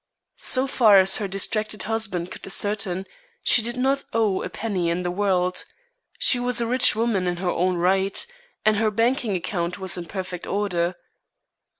So far as her distracted husband could ascertain, she did not owe a penny in the world. She was a rich woman in her own right, and her banking account was in perfect order.